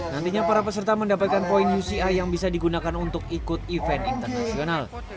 nantinya para peserta mendapatkan poin uci yang bisa digunakan untuk ikut event internasional